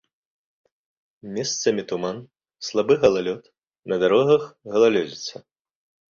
Месцамі туман, слабы галалёд, на дарогах галалёдзіца.